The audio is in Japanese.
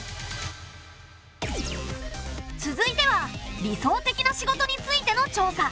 続いては理想的な仕事についての調査。